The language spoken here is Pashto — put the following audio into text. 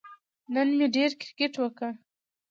نن مې ډېر کیرکټ وکه